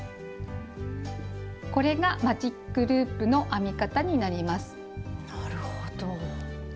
これが「マジックループ」の編み方になります。